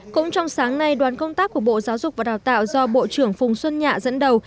cũng trong sáng nay đoàn công tác của bộ giáo dục và đào tạo do bộ trưởng phùng xuân nhạ dẫn đầu